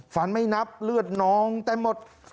ไม่นับเลือดน้องเต็มหมด